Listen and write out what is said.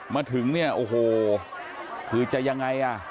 มาถึงนี่โอ้โฮคือจะยังไง